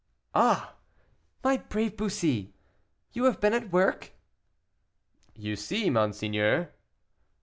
"Ah! my brave Bussy, you have been at work?" "You see, monseigneur."